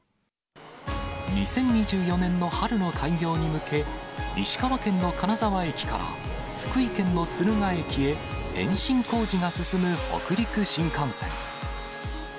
２０２４年の春の開業に向け、石川県の金沢駅から福井県の敦賀駅へ、延伸工事が進む北陸新幹線。